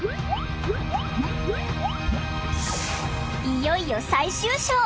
いよいよ最終章！